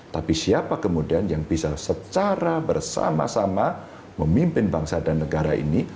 tapi siapa kemudian yang bisa secara bersama sama memimpin bangsa dan negara ini